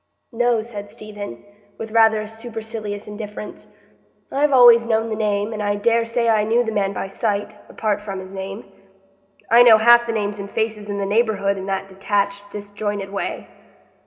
"No," said Stephen, with rather supercilious indifference. "I've always known the name, and I dare say I knew the man by sight, apart from his name. I know half the names and faces in the neighbourhood in that detached, disjointed way."